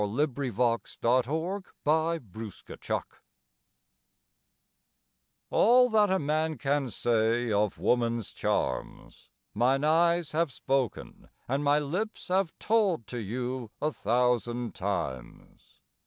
A BACHELOR TO A MARRIED FLIRT ALL that a man can say of woman's charms, Mine eyes have spoken and my lips have told To you a thousand times.